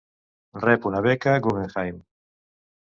Rep una beca Guggenheim.